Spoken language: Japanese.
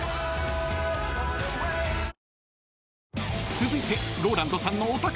［続いてＲＯＬＡＮＤさんのお宝。